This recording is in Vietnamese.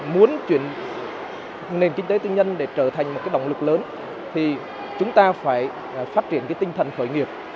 muốn chuyển nền kinh tế tự nhân để trở thành một động lực lớn thì chúng ta phải phát triển tinh thần khởi nghiệp